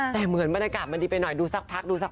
แต่เหมือนบรรยากาศมันดีไปหน่อยดูสักพักดูสัก